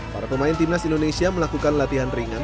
para pemain timnas indonesia melakukan latihan ringan